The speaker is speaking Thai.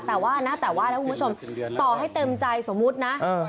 แต่ว่านะแต่ว่านะคุณผู้ชมต่อให้เต็มใจสมมุตินะ